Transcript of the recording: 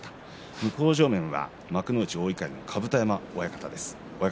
向正面は幕内の大碇の甲山親方です。